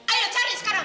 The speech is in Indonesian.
ayo cari sekarang